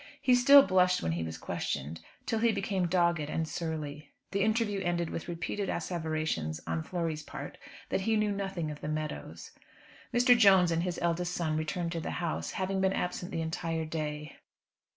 He still blushed when he was questioned; till he became dogged and surly. The interview ended with repeated asseverations on Flory's part, that he knew nothing of the meadows. Mr. Jones and his eldest son returned to the house, having been absent the entire day.